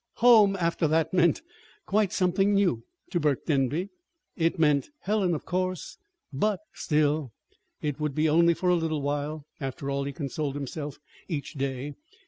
"Home," after that, meant quite something new to Burke Denby. It meant Helen, of course, but Still it would be only for a little while, after all, he consoled himself each day.